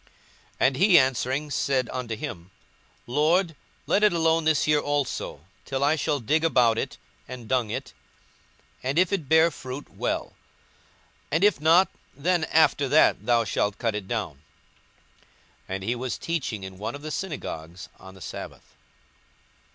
42:013:008 And he answering said unto him, Lord, let it alone this year also, till I shall dig about it, and dung it: 42:013:009 And if it bear fruit, well: and if not, then after that thou shalt cut it down. 42:013:010 And he was teaching in one of the synagogues on the sabbath.